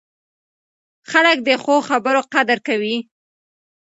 خلک د ښو خبرو قدر کوي